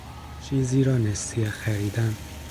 چیزی را نسیه خریدن